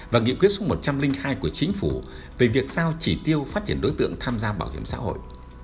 và nghị quyết số một trăm linh hai của chính phủ về việc sao chỉ tiêu phát triển đối tượng tham gia bảo hiểm xã hội